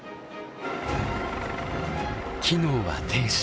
機能は停止。